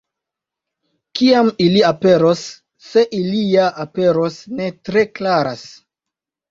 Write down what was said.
Kiam ili aperos, se ili ja aperos, ne tre klaras.